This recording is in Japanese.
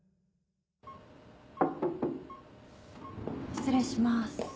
失礼します。